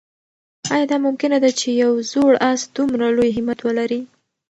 آیا دا ممکنه ده چې یو زوړ آس دومره لوی همت ولري؟